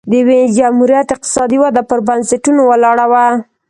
د وینز جمهوریت اقتصادي وده پر بنسټونو ولاړه وه.